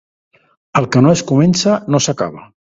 El que no es comença, no s'acaba.